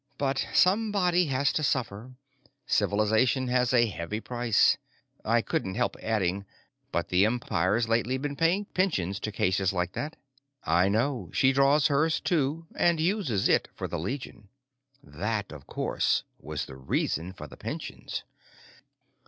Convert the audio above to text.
But somebody has to suffer; civilization has a heavy price. I couldn't help adding, "But the Empire's lately begun paying pensions to cases like that." "I know. She draws hers, too, and uses it for the Legion." _That, of course, was the reason for the pensions.